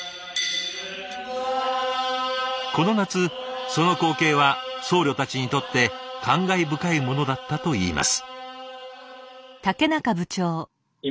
この夏その光景は僧侶たちにとって感慨深いものだったといいます。